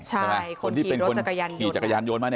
คนที่เป็นคนขี่จักรยานโยนมา